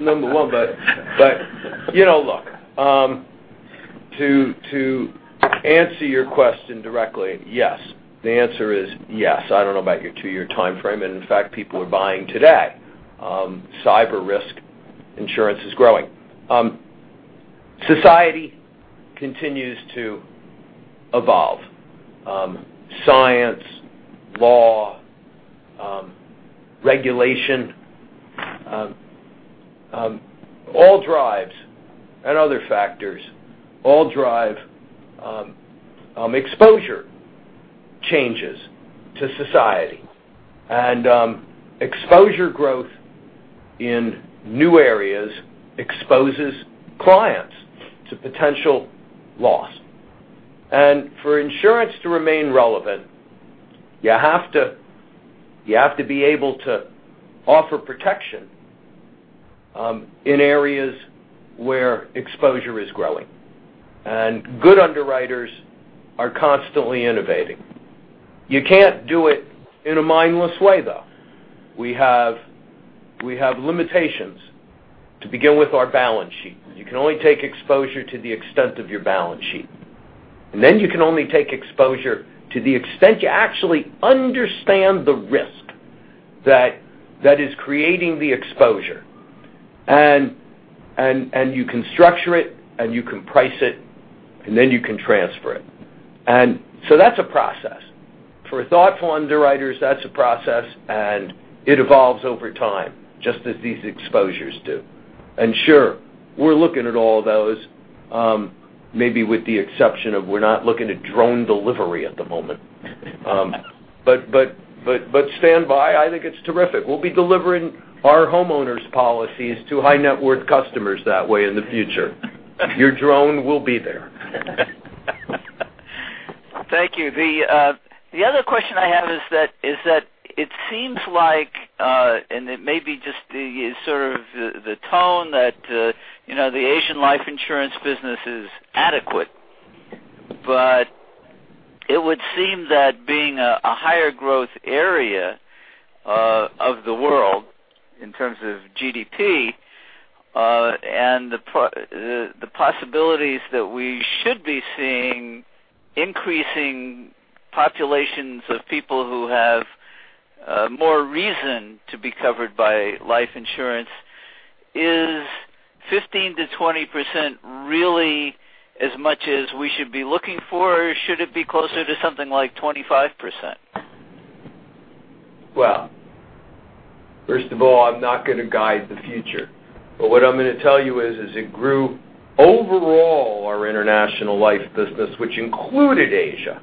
Number one. Look, to answer your question directly, yes. The answer is yes. I don't know about your two-year timeframe, and in fact, people are buying today. Cyber risk insurance is growing. Society continues to evolve. Science, law, regulation, all drives and other factors, all drive exposure changes to society. Exposure growth in new areas exposes clients to potential loss. For insurance to remain relevant, you have to be able to offer protection in areas where exposure is growing. Good underwriters are constantly innovating. You can't do it in a mindless way, though. We have limitations to begin with our balance sheet. You can only take exposure to the extent of your balance sheet. You can only take exposure to the extent you actually understand the risk that is creating the exposure. You can structure it and you can price it, and then you can transfer it. That's a process. For thoughtful underwriters, that's a process, and it evolves over time, just as these exposures do. Sure, we're looking at all of those, maybe with the exception of we're not looking at drone delivery at the moment. Standby, I think it's terrific. We'll be delivering our homeowners policies to high net worth customers that way in the future. Your drone will be there. Thank you. The other question I have is that it seems like, it may be just the tone that the Asian life insurance business is adequate, it would seem that being a higher growth area of the world in terms of GDP, the possibilities that we should be seeing increasing populations of people who have more reason to be covered by life insurance. Is 15%-20% really as much as we should be looking for, or should it be closer to something like 25%? Well, first of all, I'm not going to guide the future. What I'm going to tell you is it grew overall our international life business, which included Asia,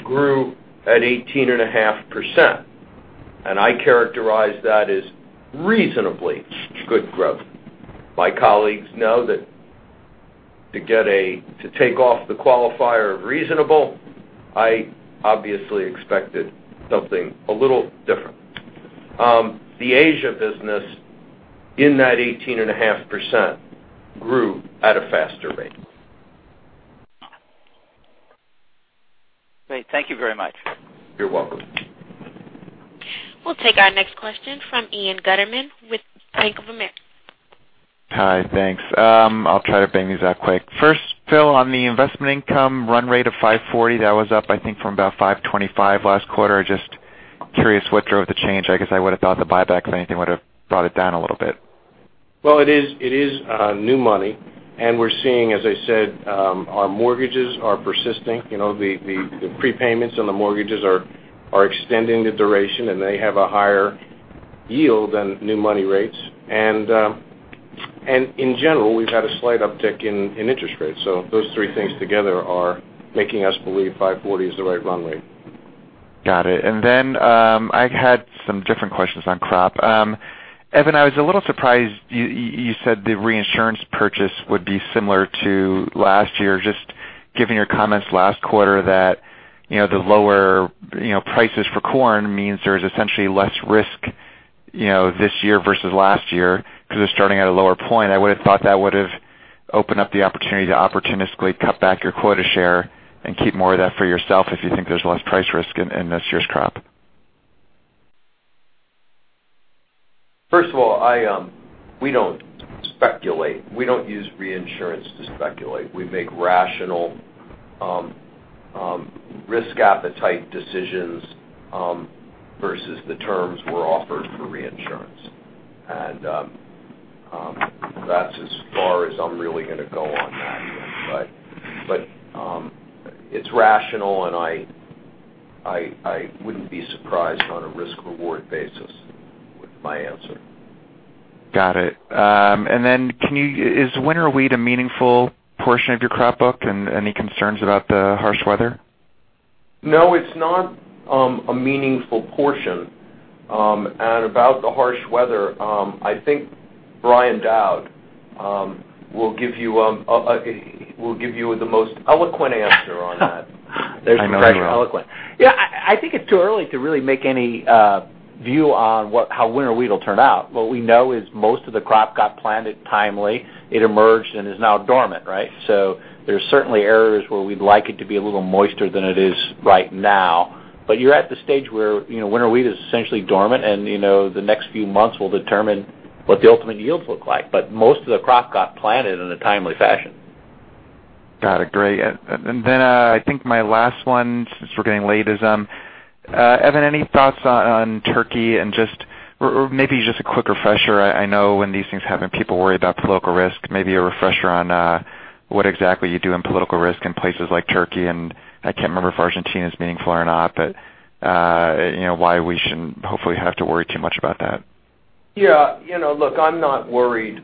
grew at 18.5%. I characterize that as reasonably good growth. My colleagues know that to take off the qualifier reasonable, I obviously expected something a little different. The Asia business in that 18.5% grew at a faster rate. Great. Thank you very much. You're welcome. We'll take our next question from Ian Gutterman with Bank of America. Hi, thanks. I'll try to bang these out quick. First, Phil, on the investment income run rate of 540, that was up, I think, from about 525 last quarter. Just curious what drove the change. I guess I would've thought the buyback, if anything, would have brought it down a little bit. It is new money, and we're seeing, as I said, our mortgages are persisting. The prepayments on the mortgages are extending the duration, and they have a higher yield than new money rates. In general, we've had a slight uptick in interest rates. Those three things together are making us believe 540 is the right run rate. Got it. Then, I had some different questions on crop. Evan, I was a little surprised you said the reinsurance purchase would be similar to last year, just given your comments last quarter that the lower prices for corn means there's essentially less risk this year versus last year because they're starting at a lower point. I would've thought that would've opened up the opportunity to opportunistically cut back your quota share and keep more of that for yourself if you think there's less price risk in this year's crop. First of all, we don't speculate. We don't use reinsurance to speculate. We make rational risk appetite decisions versus the terms we're offered for reinsurance. That's as far as I'm really going to go on that one. It's rational, and I wouldn't be surprised on a risk/reward basis with my answer. Got it. Then, is winter wheat a meaningful portion of your crop book, and any concerns about the harsh weather? No, it's not a meaningful portion. About the harsh weather, I think Brian Dowd will give you the most eloquent answer on that. I know he will. There's the word eloquent. I think it's too early to really make any view on how winter wheat will turn out. What we know is most of the crop got planted timely. It emerged and is now dormant. There's certainly areas where we'd like it to be a little moister than it is right now. You're at the stage where winter wheat is essentially dormant, and the next few months will determine what the ultimate yields look like. Most of the crop got planted in a timely fashion. Got it. Great. I think my last one, since we're getting late, is, Evan, any thoughts on Turkey and just, or maybe just a quick refresher. I know when these things happen, people worry about political risk. Maybe a refresher on what exactly you do in political risk in places like Turkey, and I can't remember if Argentina is meaningful or not, why we shouldn't hopefully have to worry too much about that. Look, I'm not worried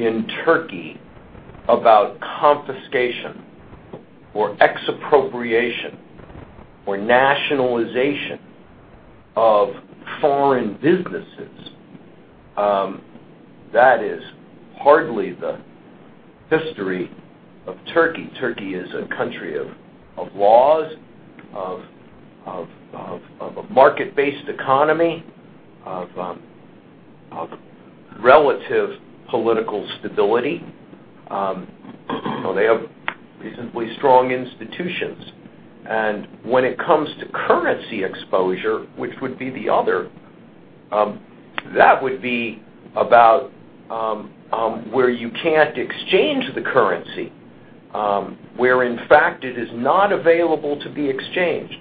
in Turkey about confiscation or expropriation or nationalization of foreign businesses. That is hardly the history of Turkey. Turkey is a country of laws, of a market-based economy, of relative political stability. They have reasonably strong institutions. When it comes to currency exposure, which would be the other, that would be about where you can't exchange the currency, where in fact it is not available to be exchanged.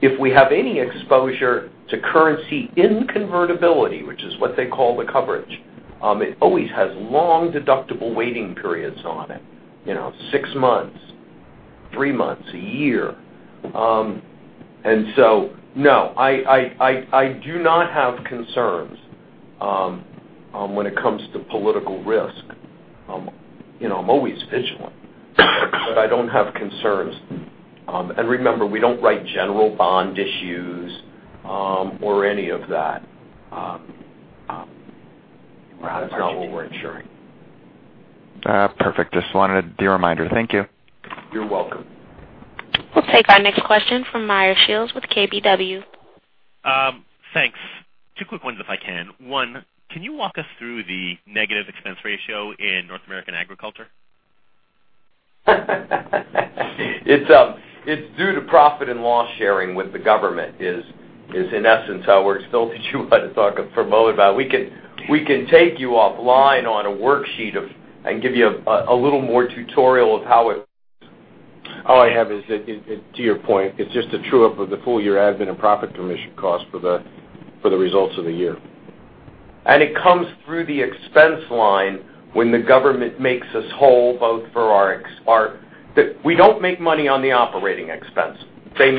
If we have any exposure to currency inconvertibility, which is what they call the coverage, it always has long deductible waiting periods on it, six months, three months, a year. No, I do not have concerns when it comes to political risk. I'm always vigilant, I don't have concerns. Remember, we don't write general bond issues or any of that. That's not what we're insuring. Perfect. Just wanted a reminder. Thank you. You're welcome. We'll take our next question from Meyer Shields with KBW. Thanks. Two quick ones if I can. One, can you walk us through the negative expense ratio in North American agriculture? It's due to profit and loss sharing with the government is in essence how it works. Phil could flesh out a talk for a moment about it. We can take you offline on a worksheet and give you a little more tutorial of how it works. All I have is, to your point, it's just a true-up of the full year admin and profit commission cost for the results of the year. It comes through the expense line when the government makes us whole. We don't make money on the operating expense. They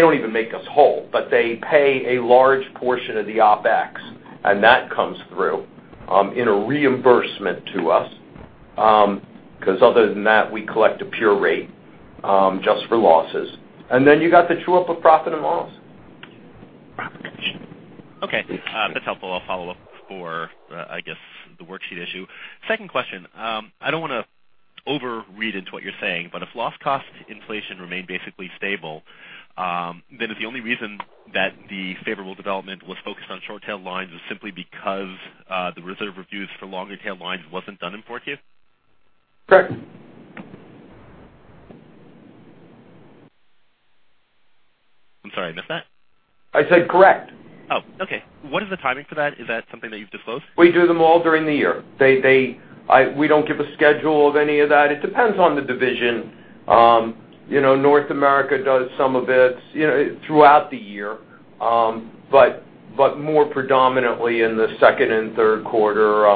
don't even make us whole, but they pay a large portion of the OpEx, that comes through in a reimbursement to us. Other than that, we collect a pure rate just for losses. Then you got the true-up of profit and loss. Okay. That's helpful. I'll follow up for, I guess, the worksheet issue. Second question. I don't want to overread into what you're saying, but if loss cost inflation remained basically stable. Is the only reason that the favorable development was focused on short tail lines is simply because the reserve reviews for longer tail lines wasn't done in fourth Q? Correct. I'm sorry, I missed that. I said correct. Oh, okay. What is the timing for that? Is that something that you've disclosed? We do them all during the year. We don't give a schedule of any of that. It depends on the division. North America does some of it throughout the year. More predominantly in the second and third quarter.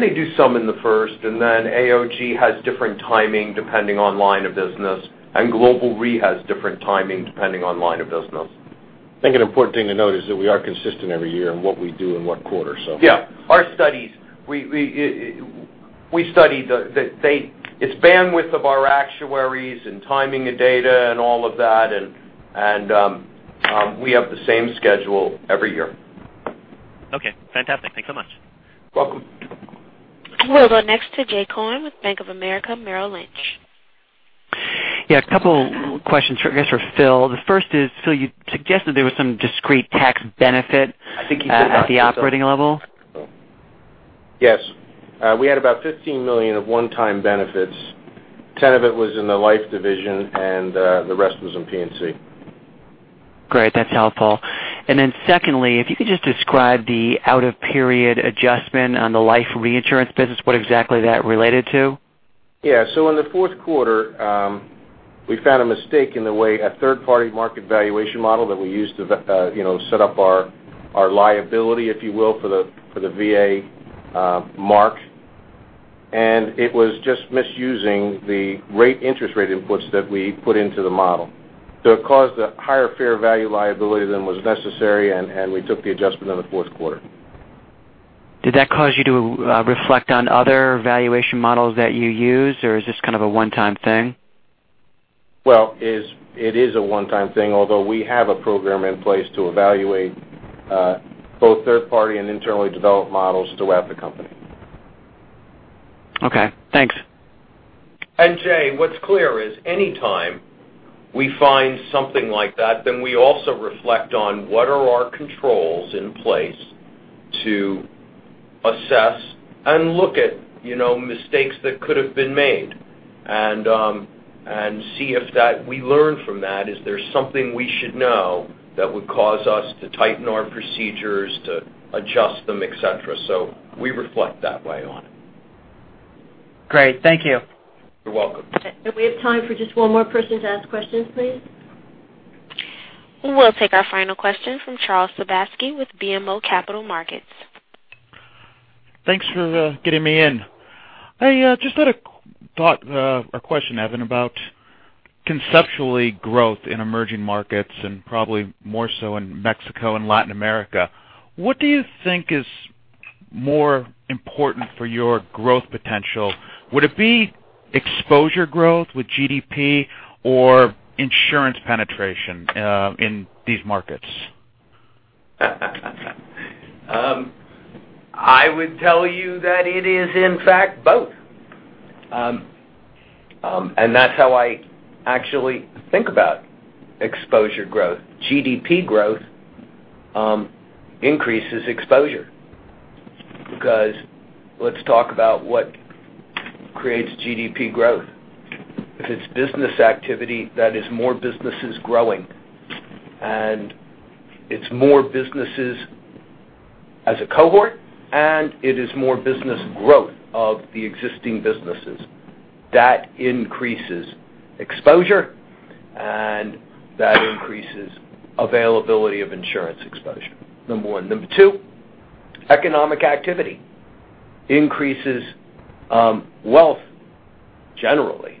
They do some in the first, and then AOG has different timing depending on line of business, and Global Re has different timing depending on line of business. I think an important thing to note is that we are consistent every year in what we do, in what quarter. Yeah. Our studies, it's bandwidth of our actuaries and timing of data and all of that, and we have the same schedule every year. Okay, fantastic. Thanks so much. Welcome. We'll go next to Jay Cohen with Bank of America Merrill Lynch. Yeah, a couple questions, I guess, for Phil. The first is, Phil, you suggested there was some discrete tax benefit I think he said that. At the operating level. Yes. We had about $15 million of one-time benefits. $10 of it was in the life division and the rest was in P&C. Great. That's helpful. Secondly, if you could just describe the out-of-period adjustment on the life reinsurance business, what exactly that related to. Yeah. In the fourth quarter, we found a mistake in the way a third-party market valuation model that we use to set up our liability, if you will, for the VA mark. It was just misusing the interest rate inputs that we put into the model. It caused a higher fair value liability than was necessary, and we took the adjustment in the fourth quarter. Did that cause you to reflect on other valuation models that you use, or is this kind of a one-time thing? Well, it is a one-time thing, although we have a program in place to evaluate both third party and internally developed models throughout the company. Okay, thanks. Jay, what's clear is any time we find something like that, then we also reflect on what are our controls in place to assess and look at mistakes that could have been made and see if we learn from that. Is there something we should know that would cause us to tighten our procedures, to adjust them, et cetera? We reflect that way on it. Great. Thank you. You're welcome. We have time for just one more person to ask questions, please. We'll take our final question from Charles Sebaski with BMO Capital Markets. Thanks for getting me in. I just had a thought or question, Evan, about conceptually growth in emerging markets and probably more so in Mexico and Latin America. What do you think is more important for your growth potential? Would it be exposure growth with GDP or insurance penetration in these markets? I would tell you that it is, in fact, both. That's how I actually think about exposure growth. GDP growth increases exposure because let's talk about what creates GDP growth. If it's business activity, that is more businesses growing, and it's more businesses as a cohort, and it is more business growth of the existing businesses. That increases exposure and that increases availability of insurance exposure, number one. Number two, economic activity increases wealth generally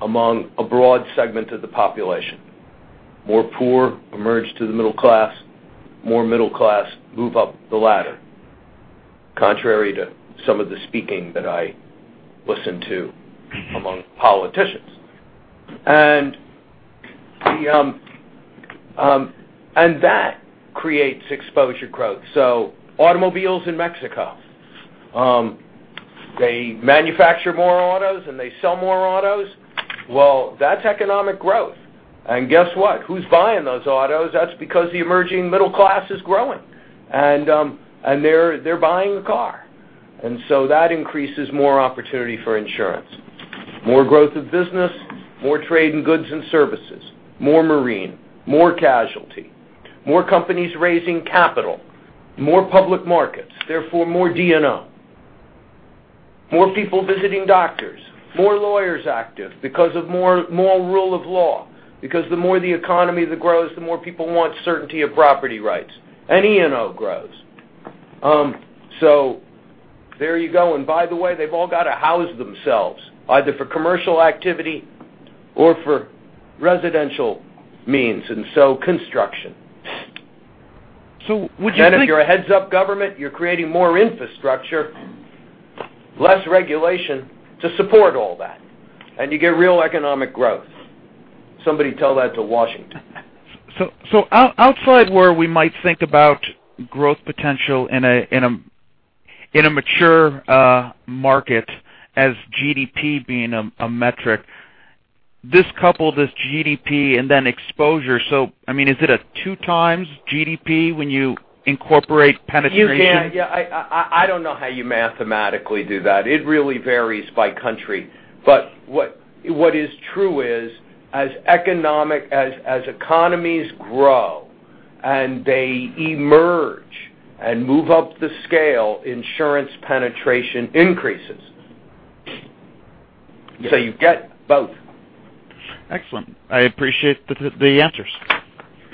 among a broad segment of the population. More poor emerge to the middle class, more middle class move up the ladder, contrary to some of the speaking that I listen to among politicians. That creates exposure growth. Automobiles in Mexico. They manufacture more autos, and they sell more autos. That's economic growth. Guess what? Who's buying those autos? That's because the emerging middle class is growing, and they're buying a car. That increases more opportunity for insurance, more growth of business, more trade in goods and services, more marine, more casualty, more companies raising capital, more public markets, therefore more D&O. More people visiting doctors, more lawyers active because of more rule of law, because the more the economy that grows, the more people want certainty of property rights, and E&O grows. There you go. By the way, they've all got to house themselves, either for commercial activity or for residential means. Construction. So would you think- If you're a heads-up government, you're creating more infrastructure, less regulation to support all that, and you get real economic growth. Somebody tell that to Washington. Outside where we might think about growth potential in a mature market as GDP being a metric, this couple, this GDP and then exposure. I mean, is it a two times GDP when you incorporate penetration? Yeah. I don't know how you mathematically do that. It really varies by country. What is true is as economies grow and they emerge and move up the scale, insurance penetration increases. You get both. Excellent. I appreciate the answers.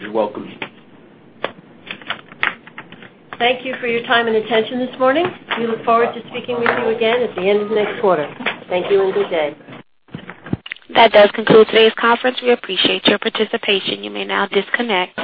You're welcome. Thank you for your time and attention this morning. We look forward to speaking with you again at the end of next quarter. Thank you and good day. That does conclude today's conference. We appreciate your participation. You may now disconnect.